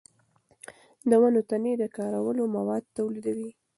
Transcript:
د ونو تنې د کارولو مواد تولیدوي.